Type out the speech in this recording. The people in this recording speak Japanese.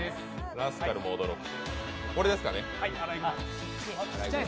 ラスカルも驚く。